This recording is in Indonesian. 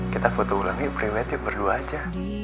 kita foto ulang ya pre wedding berdua aja